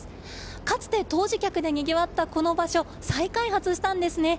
かつて湯治客でにぎわったこの場所、再開発したんですね。